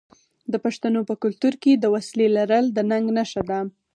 د پښتنو په کلتور کې د وسلې لرل د ننګ نښه ده.